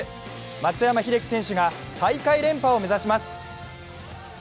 松山英樹選手が大会連覇を目指します。